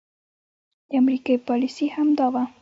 د امريکې پاليسي هم دا وه